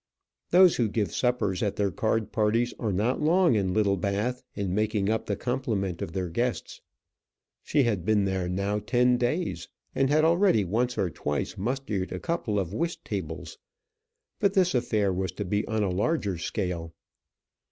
Those who give suppers at their card parties are not long in Littlebath in making up the complement of their guests. She had been there now ten days, and had already once or twice mustered a couple of whist tables; but this affair was to be on a larger scale.